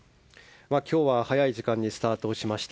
今日は早い時間にスタートをしました。